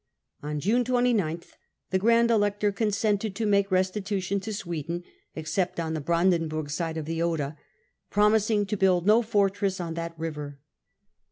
On 264 The Peace of Nimzvegen. 1679. June 29 the Grand Elector consented to make restitu tion to Sweden, except on the Brandenburg side of the Oder, promising to build no fortress on that river.